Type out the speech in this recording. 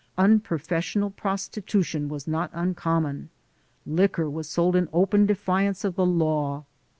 Unprofessional prostitution was not uncommon. Liquor was sold in open defiance of the law.